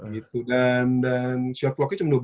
gitu dan dan short blocknya cuma dua belas detik